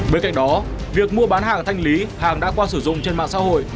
bên cạnh đó việc mua bán hàng thanh lý hàng đã qua sử dụng trên mạng xã hội